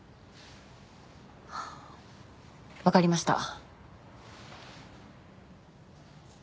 わかりました。